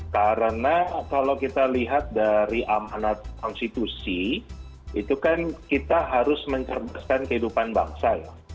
karena kalau kita lihat dari amanat konstitusi itu kan kita harus mencerbaskan kehidupan bangsa